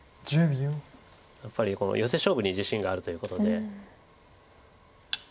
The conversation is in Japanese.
やっぱりヨセ勝負に自信があるということで。